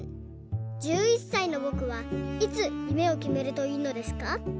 １１さいのぼくはいつ夢を決めるといいのですか？」。